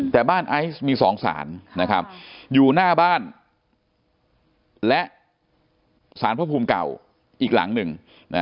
แต่บ้านไอซ์มี๒ศาลอยู่หน้าบ้านและสารพระภูมิเก่าอีกหลังหนึ่ง